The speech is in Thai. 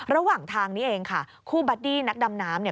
ระหว่างทางนี้เองค่ะคู่บาร์ดี้นักดำน้ำ